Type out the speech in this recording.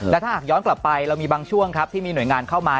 และถ้าหากย้อนกลับไปเรามีบางช่วงครับที่มีหน่วยงานเข้ามา